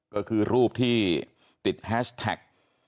ก็คือรูปที่ติดแฮชแท็ก